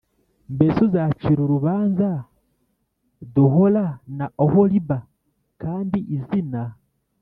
Mbese uzacira urubanza d ohola na oholiba kandi izina